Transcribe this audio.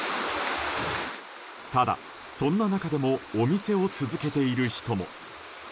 ただ、そんな中でもお店を続けている人も。